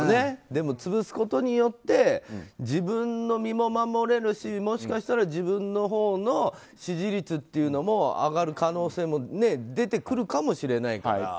潰すことによって自分の身も守れるしもしかしたら自分のほうの支持率も上がる可能性も出てくるかもしれないから。